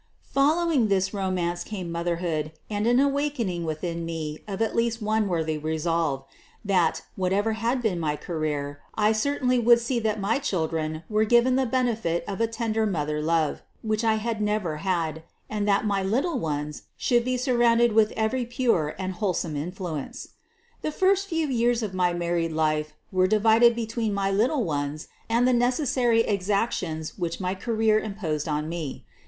Following this romance came motherhood and an awakening within me of at least one worthy resolve — that, whatever had been my career, I certainly would see that my children were given the benefit of a tender mother love, which I had never had, and that my little ones should be surrounded with every pure and wholesome influence. The first few years of my married life were di vided between my little ones and the necessary ex actions which my career imposed on me.